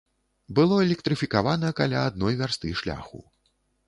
Было электрыфікавана каля адной вярсты шляху.